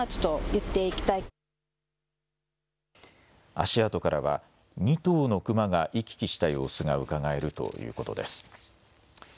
足跡からは２頭のクマが行き来した様子がうかがえるということです。